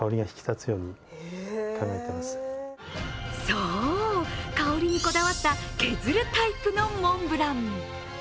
そう、香りにこだわった削るタイプのモンブラン。